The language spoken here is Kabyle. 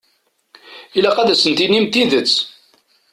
Ilaq ad sen-tinimt tidet.